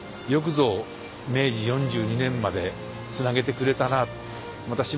よくぞ明治４２年までつなげてくれたなと。